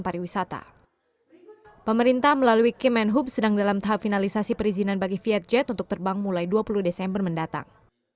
pemerintah melalui kemenhub sedang dalam tahap finalisasi perizinan bagi vietjet untuk terbang mulai dua puluh desember mendatang